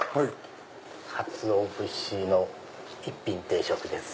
かつお節の１品定食です。